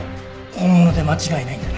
本物で間違いないんだな？